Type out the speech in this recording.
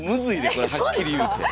これはっきり言うて。